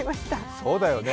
そうだよね。